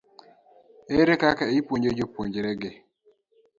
ere kaka ipuonjo jopuonjregi?